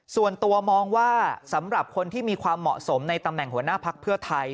ส่วนตัวมองว่าสำหรับคนที่มีความเหมาะสมในตำแหน่งหัวหน้าพักเพื่อไทย